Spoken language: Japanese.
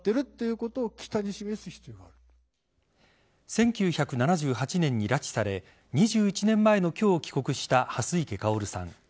１９７８年に拉致され２１年前の今日、帰国した蓮池薫さん。